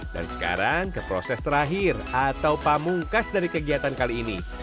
dan sekarang ke proses terakhir atau pamungkas dari kegiatan kali ini